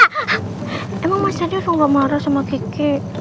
hah emang mas kendi udah gak marah sama kiki